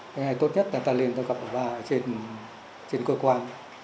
thế này tốt nhất là ta liên tục gặp bà ở trên cơ quan